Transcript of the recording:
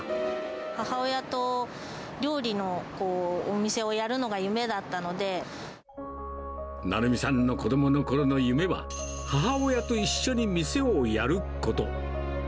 母親と料理のお店をやるのが成美さんの子どものころの夢は、母親と一緒に店をやること。